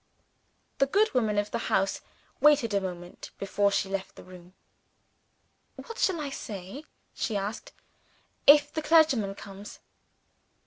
The good woman of the house waited a moment before she left the room. "What shall I say," she asked, "if the clergyman comes?"